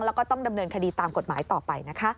แล้วก็ต้องดำเนินคดีตามกฎหมายต่อไปนะคะ